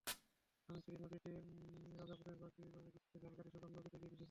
ধানসিঁড়ি নদীটি রাজাপুরের বাগড়ি বাজার থেকে ঝালকাঠির সুগন্ধা নদীতে গিয়ে মিশেছে।